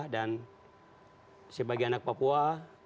dan sebagai anak papua